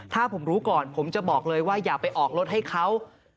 ถ้าผมรู้ก่อนผมจะบอกเลยว่าอย่าไปออกรถให้เขา